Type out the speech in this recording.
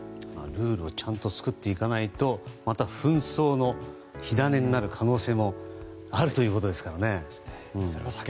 ルールをちゃんと作っていかないとまた紛争の火種になる可能性もあるということですからね。